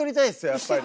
やっぱり。